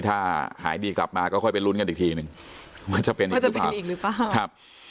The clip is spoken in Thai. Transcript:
ถ้าหายดีกลับมาก็ค่อยไปลุ้นกันอีกทีนึงว่าจะเป็นอีกหรือเปล่าครับ